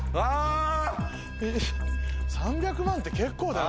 ３００万って結構だよ。